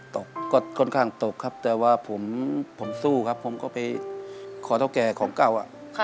ตกก็ค่อนข้างตกครับแต่ว่าผมสู้ครับผมก็ไปขอเท่าแก่ของเก่า